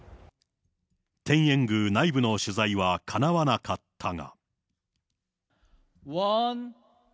天苑宮内部の取材はかなわなかったが。